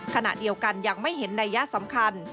ขณะเดียวกันยังไม่เห็นนัยยะสำคัญ